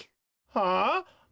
はあ？